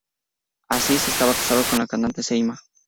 Aziz estaba casado con la cantante Selma.